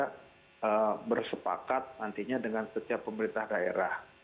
kita bersepakat nantinya dengan setiap pemerintah daerah